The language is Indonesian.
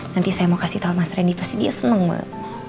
nanti saya mau kasih tau mas randy pasti dia seneng pak